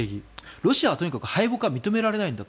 ロシアはとにかく敗北は認められないんだと。